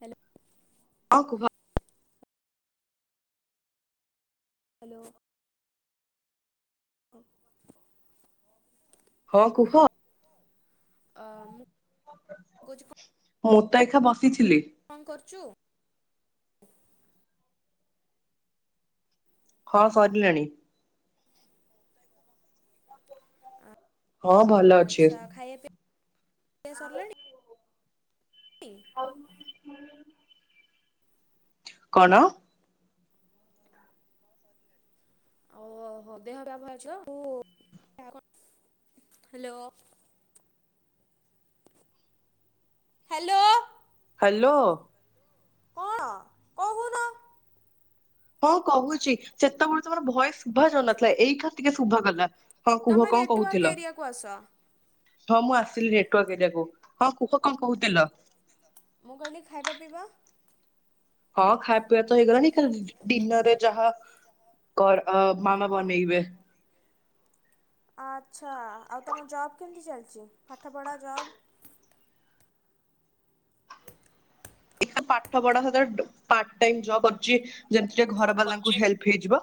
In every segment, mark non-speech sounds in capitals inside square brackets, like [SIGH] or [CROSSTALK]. Hello ହଉ କୁହ hello ଅ [INAUDIBLE] ହଁ କୁହ? ଅ ମୁଁ [INAUDIBLE] ମୁଁ ତ ଏକା ବସିଥିଲି। କଣ କରୁଛୁ? ହଁ ସରିଲାଣି। ହଁ ଭଲ। ଅଛି ଆଚ୍ଛା ଖାଇବା ପି ପିଆ ସରିଲାଣି। [INAUDIBLE] ଆଉ [INAUDIBLE] କଣ? [UNINTELLIGIBLE] ହ୍ୟାଲୋ ହ୍ୟାଲୋ ହ୍ୟାଲୋ କଣ କହୁନ? ହଁ କହୁଛି ସେତେବେଳେ ତମର ଭଏସ ଶୁଭା ଯାଉନଥିଲା ଏଇ ଖା ଟିକେ ଶୁଭା ଗଲା। ହଁ କୁହ ତମେ କଣ ନେଟୱାର୍କ କହୁଥିଲ? ଏରିଆକୁ ଆସ। ହଁ ମୁଁ ଆସିଲି ନେଟୱାର୍କ ଏରିଆକୁ ହଁ କୁହ କଣ କହୁଥିଲ? ମୁଁ କହିଲି ଖାଇବା ପିଇବା? ହଁ ଖାଇବା ପିଇବା ତ ହେଇଗଲାଣି ଡିନରରେ ଯାହା କର ମାମା ବନେଇବେ? ଆଚ୍ଛା ଆଉ ତମ ଜବ୍ କେମିତି ଚାଲିଛି ପାଠପଢ଼ା ଜବ୍? ଏ ପାଠ ପଢା ସାଥୀରେ ପାର୍ଟ ଟାଇମ ଯବ କରିଛି। ଯେମିତି ଟିକେ ଘର ବାଲାଙ୍କୁ ହେଲ୍ପ ହେଇଯିବ।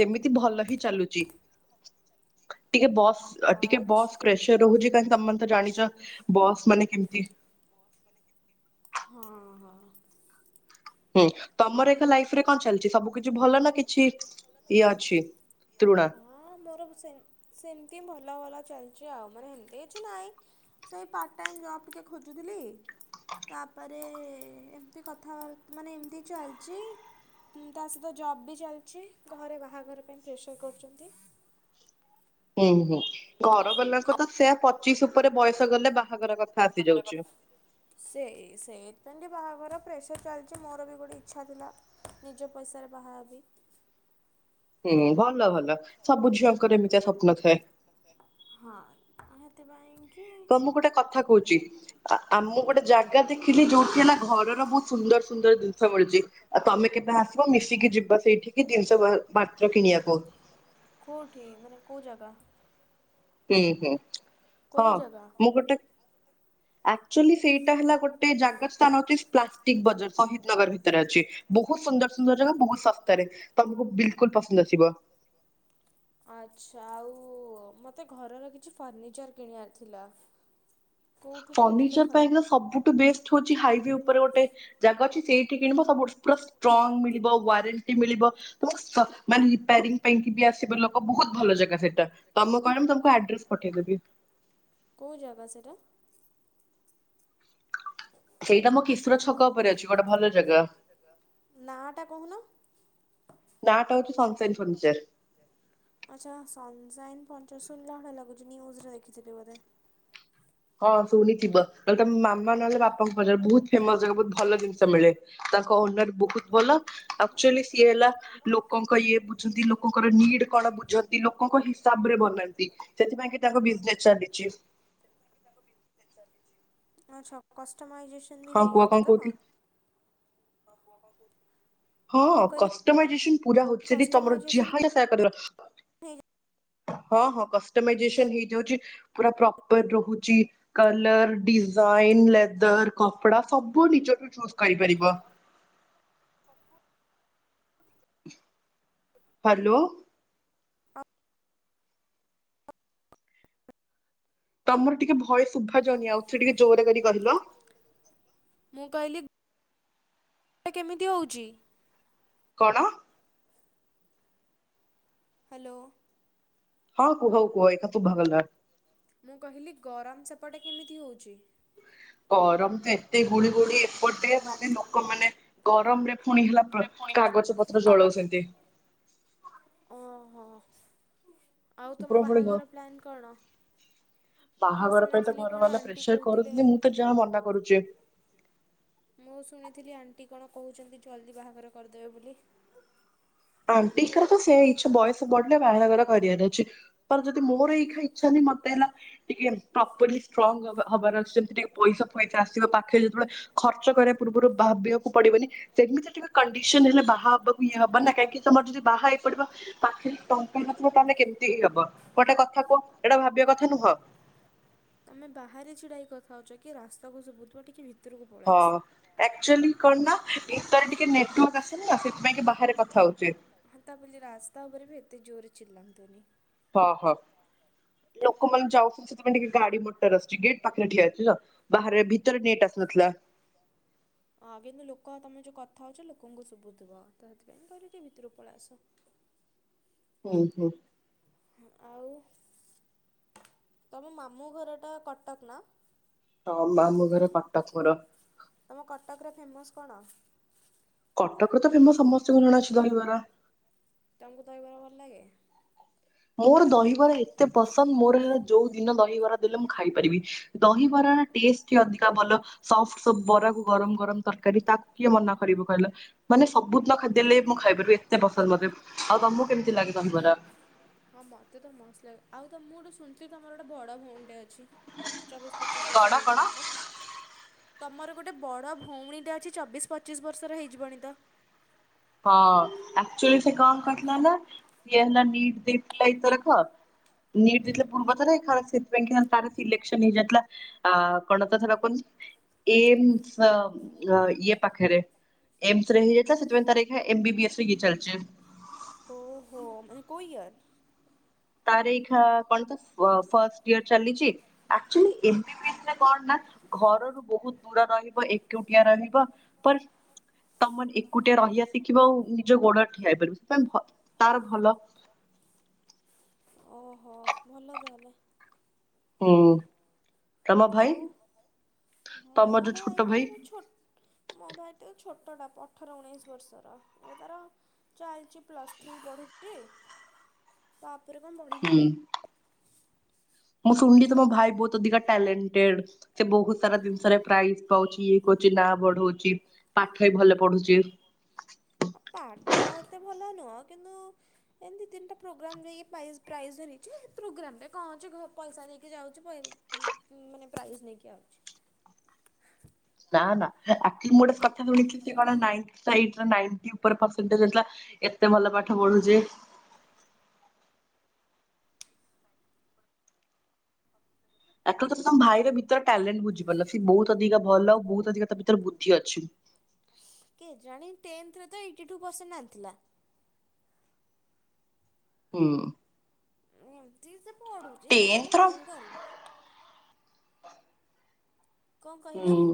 ସେମିତି ଭଲ ହିଁ ଚାଲୁଛି ଟିକେ ବସ୍ ଟିକେ ଆଚ୍ଛା ବସ୍ କ୍ରେସ। ରହୁଛି କାହିଁକି ତମେ ତ ଜାଣିଛ ବସ୍ ମାନେ କେମତି? ହଁ ହଁ। ହୁଁ ତମର ଏକ ଲାଇଫରେ କଣ ଚାଲିଛି ସବୁ କିଛି ଭଲ ନା କିଛି ଇଏ ଅଛି [UNINTELLIGIBLE] ହୁଁ ମୋର ସେମିତି ଭଲ ଭଲ ଚାଲିଛି ଆଉ ମୋର ଏମିତି କିଛି ନାହିଁ। ସେଇ ପାର୍ଟ ଟାଇମ ଜବ ଟିକେ ଖୋଜୁଥିଲି। ତାପରେ ଏମିତି କଥାବାର୍ତ୍ତା ମାନେ ଏମିତି ଚାଲିଛି ତା ସ ତ ଜବ ବି ଚାଲିଛି ଘରେ ବାହାଘର ପାଇଁ ପ୍ରେସର କରୁଛନ୍ତି। ହୁଁ ହୁଁ ଘର ବାଲାଙ୍କୁ ତ ସେୟା ପଚିଶ ଉପରେ ବୟସ ଗଲେ ବାହାଘର କଥା ଆସିଯାଉଛି। ସେଇ ସେଇଥିପାଇଁ ବାହାଘର ପ୍ରେସର ଚାଲିଛି ମୋର ବି ଗୋଟେ ଇଚ୍ଛା ଥିଲା। ନିଜ ପଇସାରେ ବାହାହେବି। ହୁଁ ଭଲ ଭଲ ସବୁ ଝିଅ ହଁ ସେଥିପାଇଁକି। ତ ମୁଁ ଗୋଟେ କଥା କହୁଛି ଆମକୁ ଗୋଟେ ଜାଗା ଦେଖି ଦେଖିଲି ଯୋଉଠି ହେଲା ଘରର ବହୁତ ସୁନ୍ଦର ସୁନ୍ଦର ଜିନିଷ ମିଳୁଛି ଆଉ ତମେ କେବେ ଆସିବ ମିଶିକି ଯିବା ସେଇଠି କି ଜିନିଶ ପାତ୍ର କିଣିବାକୁ। କୋଉଠି ମାନେ କୋଉ ଜାଗା? ହୁଁ ହୁଁ ହଁ କୋଉ ଜାଗା? ମୁଁ ଗୋଟେ ଆକଚୁଆଲି ସେଇଟା ହେଲା ଗୋଟେ ଜାଗା [UNINTELLIGIBLE] ବଜାର ଶହିଦ ନଗର ଭିତରେ ଅଛି ବହୁତ ସୁନ୍ଦର ସୁନ୍ଦର ଜାଗା ବହୁତ ଶସ୍ତାରେ ତମକୁ ବିଲକୁଲ ପସନ୍ଦ ଆସିବ। ଆଚ୍ଛା ଆଉ ମୋତେ ଘରର କିଛି ଫର୍ଣ୍ଣିିଚର୍ କିଣିବାର ଥିଲା। କୋଉଠୁ କିଣିଲେ ଫର୍ନିଚର ଭଲ ପାଇଁକା ସବୁଠୁ ବେଷ୍ଟ ହଉଛି ହାଇୱେ ଉପରେ ଗୋଟେ ଜାଗା ଅଛି ସେଇଠି କିଣିବ ସବୁ ପୁରା ଷ୍ଟ୍ରଙ୍ଗ ମିଳିବ ୱାରେଣ୍ଟି ମିଳିବ। ତ ମାନେ ରିପାରିଙ୍ଗ ପାଇଁ ବି ଆସିବ ଲୋକ ବହୁତ ଭଲ ଜାଗା ସେଇଟା। ତମ କହିଲେ ମୁଁ ତମକୁ ଆଡ୍ରେସ ପଠେଇଦେବି। କୋଉ ଜାଗା ସେଇଟା? ସେଇଟା ମୋ କିଶୋର ଛକ ଉପରେ ଅଛି ଗୋଟେ ଭଲ ଜାଗା। ନାଁ ଟା କହୁନ? ନାଁ ଟା ହଉଛି ସନସାରି ଫନିଚର। ଆଚ୍ଛା ସନସାଇନ୍ ଫଣିଚର୍ ସୁଣିଲା ଭଳିଆ ଲାଗୁଛି ନ୍ୟୁଜରେ ଦେଖିଥିଲି ବୋଧେ। ହଁ ଶୁଣିଥିବ ତ ମାମା ନହେଲେ ବାପାଙ୍କୁ ପଚାର ବହୁତ ଫେମସ ଜାଗା ବହୁତ ଭଲ ଜିନିଷ ମିଳେ। ତାଙ୍କ ଓନର ବହୁତ ଭଲ ଆକ୍ଚୁଆଲି ସିଏ ହେଲା। ଲୋକଙ୍କ ଇଏ ବୁଝନ୍ତି। ଲୋକଙ୍କର ନିଡ କଣ ବୁଝନ୍ତି। ଲୋକଙ୍କ ହିସାବ ରେ ବନାନ୍ତି। ସେଥିପାଇଁ କି ତାଙ୍କ ବିଜନେସ ଚାଲିଛି। ଆଚ୍ଛା କଷ୍ଟମାଇଜେସନ୍ ବି ହଁ କୁହ କଣ ହେଇଯାଉଛି ତ? କହୁଥିଲି? [UNINTELLIGIBLE] ହଁ କହିଲି କଷ୍ଟମାଇଜେସନ ପୁରା ହଉଚି। ତମର କଷ୍ଟମାଇଜେସନ୍ ଯାହାଟା ସହାୟ କରିବ। ହେଇଯାଉ ହଁ ହଁ କଷ୍ଟମାଇଜେସନ ହେଇଯାଉଛି। ପୁରା ପ୍ରପର ରହୁଚି। କଲର ଡିଜାଇନ ଲେଦର କପଡା ସବୁ ନିଜକୁ ଚୁଜ କରିପାରିବ। ହ୍ୟାଲୋ। ତମର ଟିକେ ଭୟସ ଶୁଭା ଜାଉନୀ ଆଉ ଥରେ ଟିକେ ଜୋରରେ କରି କହିଲ। ମୁଁ କହିଲି କେମିତି ହଉଛି? କଣ? ହ୍ୟାଲୋ। ହଁ କୁହ କୁହ ଏଇକ୍ଷିଣା ଶୁଭାଗଲା। ମୁଁ କହିଲି ଗରମ ସେପଟେ କେମିତି ହଉଛି? ଗରମ ତ ଏତେ ଗୁଲୁ ଗୁଳି ଏପଟେ ମାନେ ଲୋକମାନେ ଗରମରେ ଫୁଣି ହେଲା କାଗଜ ପତ୍ର ଜଳଉଛନ୍ତି। ଓହୋ। ଆଉ ତମ ପୁରା ପୁଣି ଘ ବାହାଘର ପ୍ଲାନ୍ କଣ? ମୁଁ ବାହାଘର ପାଇଁ ତ ଶୁଣିଥିଲି ଘର କଣ ବାଲା ଆଣ୍ଟି ପ୍ରେସର କରୁଛନ୍ତିି। କହୁଥିଲେ ମୁଁ ତ ଯାହା ମନା କରୁଛି। ମୁଁ ଶୁଣିଥିଲି ଆଣ୍ଟି କଣ କହୁଛନ୍ତି ଜଲ୍ଦି ବାହାଘର କରିଦେବେ ବୋଲି। ଆଣ୍ଟିଙ୍କର ତ ସେ ଇଛା ବୟସ ବଢିଲେ ବାହାଘର କରିବାର ଅଛି। ପ ଯଦି ମୋର ଏଇଖୀନା ଇଛା ନାହିଁ ମତେ ହେଲା ଟିକେ ପ୍ରପରଲି ଷ୍ଟ୍ରଙ୍ଗ ହବା ହବାର ଅଛି ଯେମିତି ଟିକେ ପଇସା ପଇସା ଆସିବ ପାଖେ ଯେତେବେଳେ ଖର୍ଚ୍ଚ କରିବା ପୂର୍ବରୁ ଭାବିବାକୁ ପଡିବନି। ସେମିତି ଟିକେ କଣ୍ଡିସନ ହେଲେ ବାହା ହବାକୁ ଇଏ ହବନା। କାହିଁକି ତମର ଯଦି ବାହା ହେଇ ପଡିବ ପାଖରେ ଟଙ୍କା ନଥିବ ତାହେଲେ କେମିତି ହି ହବ। ଗୋଟେ କଥା କୁହ ଏଇଟା ଭାବିବା କଥା ନୁହଁ। ତମେ ବାହାରେ ଛିଡା ହେଇ କଥା ହଉଛ କିଏ ରାସ୍ତାକୁ ଶୁଭୁଥିବା ଟିକେ ଭି ହ। ଆଚୁଆଲି କଣ ନା ଭିତରେ ଟିକେ ନେଟୱାର୍କ ଆସୁନି ନା ସେଥିପାଇଁକି ବାହାରେ କଥା ହେଉଚି। ହଁ ତା ବୋଲି ରାସ୍ତା ଉପରେ ବି ଏତେ ଜୋରେ ଚିଲାନ୍ତୁନି। ହ ହ ଲୋକମାନେ ଯାଉଛନ୍ତି ସେଥିପାଇ ଟିକେ ଗାଡି ମଟର ଆସୁଛି ଗେଟ୍ ପାଖରେ ଠିଆ ହେଇଛି ତ। ବାହାରେ ଭିତରେ ନେଟ ଆସୁନଥିଲା। ହଁ କିନ୍ତୁ ଲୋକ ତମେ ଯୋଉ କଥା ହଉଛ ଲୋକଙ୍କୁ ଶୁଭୁଥିବ ତ ହେଥିପାଇଁ କହିଲି ଟିକେ ଭିତରକୁ ପଳେଇଆସ। ଉଁ ହୁଁ। ଆଉ ତମ ମାମୁଁ ଘରଟା କଟକ ନା? ହ ମାମୁଁ ଘର କଟକ ମୋର। ତମ କଟକର ଫେମସ କଣ? କଟକର ତ ଫେମସ ସମସ୍ତଙ୍କୁ ଜଣା ଅଛି ଦହିବରା। ତମକୁ ଦହିବାର ଭଲ ଲାଗେ? ମୋର ଦହିବରା ଏତେ ପସନ୍ଦ ମୋର ହେଲା ଯୋଉ ଦିନ ଦହିବରା ଦେଲେ ମୁଁ ଖାଇପାରିବି। ଦହିବରା ର ଟେଷ୍ଟ ଅଧିକା ଭଲ। ସଫ୍ଟ ସପ୍ଟ ବରାକୁ ଗରମ ଗରମ ତରକାରୀ ତାକୁ କିଏ ମନା କରିବ କହିଲ? ମାନେ ସବୁଦିନ ଖାଦ୍ୟଲେ ମୁଁ ଖାଇପାରିବି ଏତେ ପସନ୍ଦ ମତେ। ଆଉ ତମକୁ କେମିତି ଲାଗେ ଦହି ବରା? ହଁ ମତେ ତ ମସ୍ତ ଲାଗେ। ଆଉ ତ ମୁଁ ଗୋଟେ ଶୁଣିଥିଲି ତମର ଗୋଟେ ବଡ଼ ଭଉଣିଟେ ଅଛି? ଚବିଶ ପଚିଶ ବର୍ଷ କଣ କଣ ହେଇଯିବଣି ତ? ତମର ଗୋଟେ ବଡ଼ ଭଉଣୀଟେ ଅଛି ଚବିଶ ପଚିଶ ବର୍ଷର ହେଇଯିବଣି ତ? ହଁ ଆକ୍ଚୁଆଲି ସେ କଣ କରିିଥିଲା ନା ଇଏ ହେଲା ନିବ ଦେଇଥିଲା ଏଇଥରକ ନିଟ୍ ହୁଁ। ଦେଇଥିଲା ପୂର୍ବ ଥର ଏଥର ସେଇଥିପାସେଇଥିପାଇଁ କା ତାର ସିଲେକ୍ସନ ହେଇଯାଇଥିଲା କଣତ ଧରାପଡୁନି। ଏମ ସ ଇଏ ପାଖରେ ଏମ୍ସ ରେ ହେଇଯାଇଥିଲା ସେଥିପାଇଁ ତାର ଏମବି ବିି ଏସ୍ ଇିଏ ଚାଲଚି ଓହୋ ମାନେ କୋଉ ଇଅର? ତାର ଏଇକ୍ଷିଣା କଣ ତ ଫାଷ୍ଟ ଇୟର ଚାଲିଛି ଆକ୍ଚୁଲି ଏମ ବି ବି ଏସରେ କଣନା ଘରରୁ ବହୁତ ଦୂର ରହିବ ଏକୁଟିଆ ରହିବ ପର ତମେ ଏକୁଟିଆ ରହିବା ଶିଖିବ ଆଉ ନିଜ ଗୋଡ ରେ ଠିଆ ହେଇ ପାରିବ ସେଥିପାଇଁ ଭ ତାର ଭଲ ଓହୋ ଭଲ ତାହେଲେ ହୁଁ ତମ ଭାଇ ଆଉ ମୋ ତମ ଯୋଉ ଭାଇ ଛୋଟ ତ ଏବେ ଛୋଟ ମୋ ଭାଇ ତ ଛୋଟଟା ଅଠର ଉଣେଇଶ ବର୍ଷର ଏବେ ତାର ଚାଲିଛି ପ୍ଲସ୍ ଥ୍ରୀ ପଢୁଛି ତାପରେ କଣ ପଢ଼ି ହଁ ମୁଁ ଶୁଣିଲି ତ ମୋ ଭାଇ ବହୁତ ଅଧିକା ଟ୍ୟାଲେଣ୍ଟେଡ ସେ ବହୁତ ସାରା ଜିନିଷରେ ପ୍ରାଇଜ ପାଉଛି ଇଏ କରୁଛି ନାଁ ବଢଉଛି ପାଠ ବି ଭଲ ପଢୁଛି ପାଠ ଏତେ ଭଲ ନୁହଁ କିନ୍ତୁ ଏମିତି ତିନିଟା ପ୍ରୋଗ୍ରାମ୍ ପ୍ରାଇଜ ଧରିଛି ପ୍ରୋଗ୍ରାମ ରେ କଣ ଅଛି ଘରୁ ପଇସା ନେଇକି ଯାଉଛି ମାନେ ପ୍ରାଇଜ୍ ନେଇକି ଆଉଛି ନା ନା ଆକ୍ଚୁଲି ମୁଁ ଗୋଟେ କଥା ଶୁଣିଛି ସେ କଣ ନାଇନ୍ତ ସାଇଡ୍ ର ନାଇଣ୍ଟି ଉପରେ ପର୍ସେଣ୍ଟଜ୍ ରଖିଥିଲା ଏତେ ଭଲ ପାଠ ପଢୁଛି ଆକ୍ଚୁଲି ତ ତମ ଭାଇର ଭିତରେ ଟ୍ୟାଲେଣ୍ଟ ବୁଝିପାରୁନ ସେ ବହୁତ ଅଧିକ ଭଲ ବହୁତ ଅଧିକ ତା ଭିତରେ ବୁଦ୍ଧି ଅଛି କେଯାଣି ଟେନ୍ତ ରେ ତ ଏଇଟି ଟୁ ପର୍ସଣ୍ଟେଜ୍ ଆଣିଥିଲା ହଁ ଏମିତି ସେ ପଢୁଛି କି ଜାଣି ଟେନ୍ଥର କଣ କରିବ କଣ କହିଲ? ହୁଁ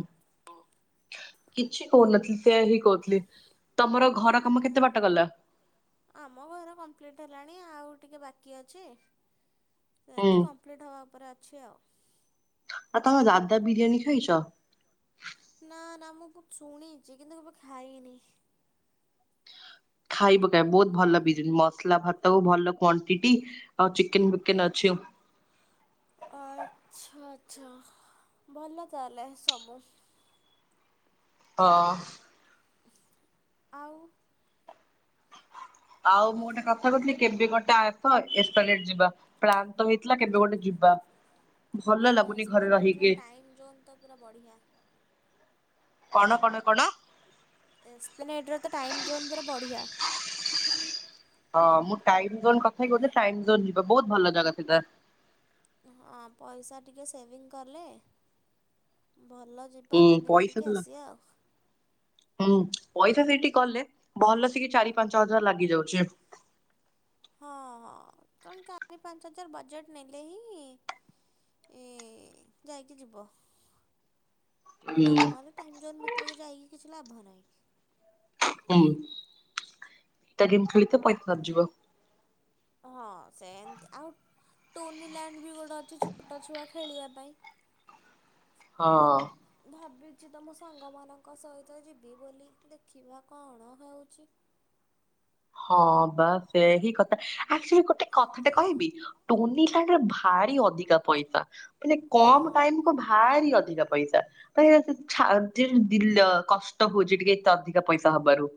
କିଛି କହୁନଥିଲି ସେଇଆହିଁ କହୁଥିଲି ତମର ଘର କାମ କେତେ ବାଟ ଗଲା ଆମ ଘର କମ୍ପ୍ଲିଟ ହେଲାଣି ଆଉ ଟିକେ ବାକି ଅଛି ହୁଁ ସେମିତି କମ୍ପ୍ଲିଟ୍ ହବା ଉପରେ ଅଛି ଆଉ ଆଉ ତମେ ଦାଦା ବିରିୟାନୀ ଖାଇଛ ନା ନା ମୁଁ ବହୁତ୍ ଶୁଣିଛି କିନ୍ତୁ କେବେ ଖାଇନି ଖାଇ ପକା ବହୁତ ଭଲ ବିିରାୟାନୀ ମସଲା ଭାତ ଭଲ କ୍ଵାଣ୍ଟିଟି ଆଉ ଚିକେନ ବିକେନ ଅଛି ଆଚ୍ଛା ଆଚ୍ଛା ଭଲ ତାହେଲେ ସବୁ ହ ଆଉ ଆଉ ମୁଁ ଗୋଟେ କଥା କହୁଥିଲି କେବେ ଗୋଟେ ଆସ ଏ ସ୍ପ୍ଲାନେଡ୍ ଯିବା ପ୍ଲାନ୍ ତ ହେଇଥିଲା କେବେ ଗୋଟେ ଯିବା ଭଲ ହଁ ଲାଗୁନି ଘରେ ଏସ୍ପ୍ଲାନେଟ୍ର ରହିକି ଟାଇମ୍ ଜୋନ୍ ତ ପୁରା ବଢ଼ିଆ କଣ କଣ କଣ ଏକ୍ସପ୍ଲେନେଡ଼ର ତ ଟାଇମ୍ ଜୋନ୍ ପୁରା ବଢ଼ିଆ ହଁ ମୁଁ ଟାଇମ ଜୋନ କଥା କହୁଥିଲି ଟାଇମ ଜୋନ୍ ଯିବା ବହୁତ ଭଲ ଜାଗା ସେଇଟା ହଁ ପଇସା ଟିକେ ସେଭିଙ୍ଗ କଲେ ଭଲ ଯି ହୁଁ ବା ପଇସା ତ ବୁଲିବାଲିକି ଲା ଆସିବା ଆଉ। ହୁଁ ପଇସା ସେଇଠି କଲେ ଭଲ ସେକି ଚାରି ପାଞ୍ଚ ହଜାର ଲାଗି ଯାଉଛି। ହଁ ହଁ ତ ଚାରି ପାଞ୍ଚ ହଜାର ବଜେଟ୍ ନେଲେ ହିଁ ଏ ଯାଇକି ଯିବ। ହୁଁ ନହଲେ ଟାଇମ ଜୋନ ଭିତରକୁ ଯାଇକି କିଛି ଲାଭ ନାହିଁ। ହୁଁ ଏଟା ଗେମ୍ ଖେଳି ଅ ତ ପଇସା ସରିଯିବ। ହଁ ସେମତି ଆଉ ଟୋନି ଲ୍ୟାଣ୍ଡ ବି ଗୋଟେ ଅଛି ଛୋଟ ଛୁଆ ଖେଳିବା ପାଇଁ। ହଉ ଉଁ। ଭାବିଛି ତ ମୋ ସାଙ୍ଗମାନଙ୍କ ସହିତ ଯିବି ବୋଲି ଦେଖିବା କଣ ହେଉଛି। ହଁ ବା ସେଇଆ ହିଁ କଥା। ଆକ୍ଚୁଅଲି ଗୋଟେ କଥାଟେ କହିବି ଟୋନି [UNINTELLIGIBLE] ଭାରି ଅଧିକା ପଇସା ମାନେ ହଁ କମ ଟାଇମ କୁ ଭାରି ଅଧିକା ପଇସା ଦ ଛା ଦି ଦିଲ କଷ୍ଟ ହଉଛି ଟିକେ ଏତେ ଅଧିକା ପଇସା ହବାରୁ।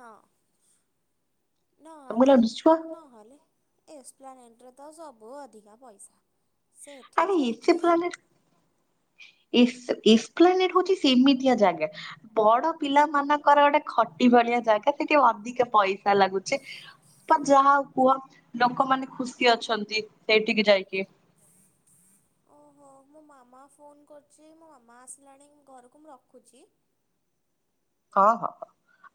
ହଁ ତମକୁ ନହେଲେ ଲାଗୁଛି ଛୁଆ ନହେଲେ ଏକ୍ସପ୍ଲାନେଟ୍ରେ ତ ସବୁ ଅଧିକା ପଇସା ସେଠି ଆରେ ଏସି ଯାଇକି ପ୍ଲାନେଟ ଏସ ଏସପ୍ଲାନେଟ ହଉଛି ସେମିତିଆ ଜାଗା ବଡ ପିଲା ମାନଙ୍କର ଗୋଟେ ଖଟି ଭଳିଆ ଜାଗା ସେଠି ଅଧିକା ପଇସା ଲାଗୁଚେ। ବା ଯାହା କୁହ ଲୋକମାନେ ଖୁସି ଅଛନ୍ତି ସେଇଠିକି ଯାଇକି। [INAUDIBLE] ଓହୋ ମୋ ମାମା ଫୋନ କରୁଛି ମୋ ମାମା ଆସିଲାଣି ଘରକୁ ମୁଁ ରଖୁଛି। ହଁ ହଁ।